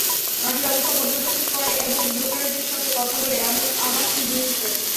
মাঠের অবস্থা পর্যবেক্ষণ করে এবং ভোটারদের সঙ্গে কথা বলে এমন আভাসই মিলছে।